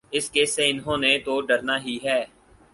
اس case سے انہوں نے تو ڈرنا ہی ہے۔